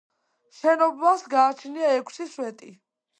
შენობას გააჩნია ექვსი სვეტი.